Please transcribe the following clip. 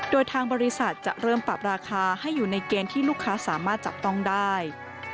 โดยทางบริษัทจะเริ่มปรับราคาให้อยู่ในเกณฑ์ที่ลูกค้าสามารถจับต้องได้